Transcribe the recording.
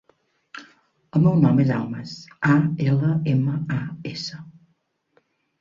El meu nom és Almas: a, ela, ema, a, essa.